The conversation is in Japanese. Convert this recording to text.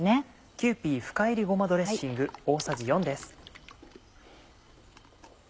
「キユーピー深煎りごまドレッシング」大さじ４です。